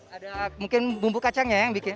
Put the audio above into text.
ada mungkin bumbu kacangnya yang bikin